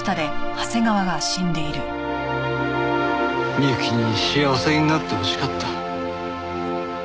美雪に幸せになってほしかった。